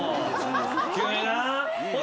「急にな」